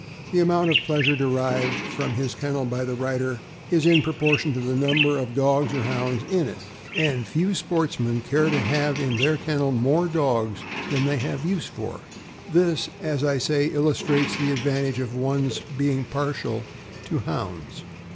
The amount of pleasure derived from his kennel by the writer is in proportion to the number of dogs or Hounds in it, and few sportsmen care to have in their kennel more dogs than they have use for. This, as I say, illustrates the advantage of one's being partial to Hounds.